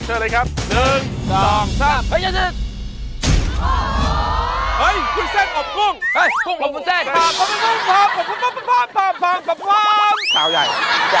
เฮ้ยคุณเส้นอบกุ้ง